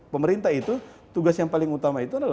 pemerintah itu tugas yang paling utama itu adalah